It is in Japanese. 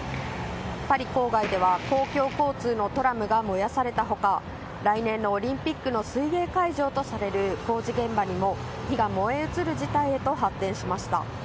パリ郊外では公共交通のトラムが燃やされた他来年のオリンピックの水泳会場とされる工事現場にも火が燃え移る事態へと発展しました。